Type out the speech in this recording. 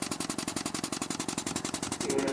是第一次国共内战主要战斗之一。